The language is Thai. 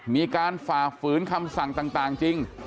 ฝ่าฝืนคำสั่งต่างจริง